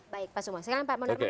baik pak sumo